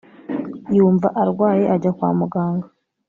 yumva arwaye ajya kwamuganga